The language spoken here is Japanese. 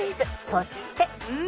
そして